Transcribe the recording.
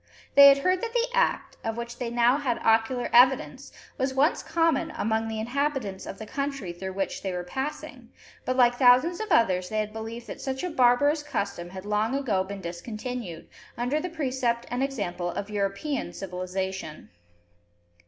They had heard that the act, of which they now had ocular evidence, was once common among the inhabitants of the country, through which they were passing, but, like thousands of others, they had believed that such a barbarous custom had long ago been discontinued, under the precept and example of European civilisation.